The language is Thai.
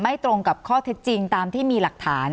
ตรงกับข้อเท็จจริงตามที่มีหลักฐาน